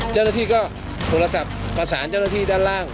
เจ้าหน้าที่ก็โทรศัพท์ภาษาอาทิตย์ด้านล่าง